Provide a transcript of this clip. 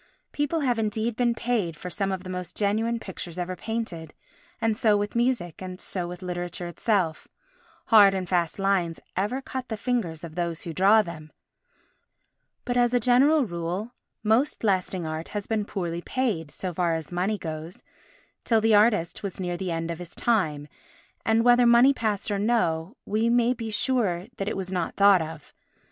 People have indeed been paid for some of the most genuine pictures ever painted, and so with music, and so with literature itself—hard and fast lines ever cut the fingers of those who draw them—but, as a general rule, most lasting art has been poorly paid, so far as money goes, till the artist was near the end of his time, and, whether money passed or no, we may be sure that it was not thought of.